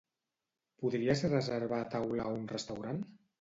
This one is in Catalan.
Podries reservar taula a un restaurant?